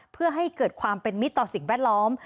เพื่อให้เกิดความเป็นมิตรต่อสิ่งแวดล้อม